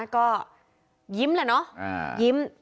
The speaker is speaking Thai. ก็ยิ้มแหละเนาะยิ้ม